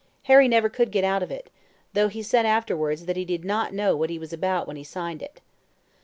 Harry never could get out of it though he said afterwards that he did not know what he was about when he signed it.